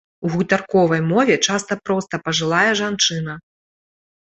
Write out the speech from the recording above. У гутарковай мове часта проста пажылая жанчына.